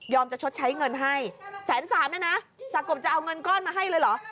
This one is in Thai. ยอมจะชดใช้เงินให้แสนสามนะนะจากกบจะเอาเงินเกาะมาให้เลยเหรอ